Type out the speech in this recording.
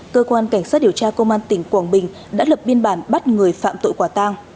cơ quan cảnh sát điều tra công an tỉnh quảng bình đã lập biên bản bắt người phạm tội quả tang